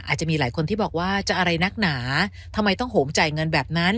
อาจจะมีหลายคนที่บอกว่าจะอะไรนักหนาทำไมต้องโหมจ่ายเงินแบบนั้น